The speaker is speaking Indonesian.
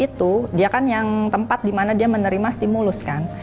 nah batang otak itu dia kan yang tempat dimana dia menerima stimulus kan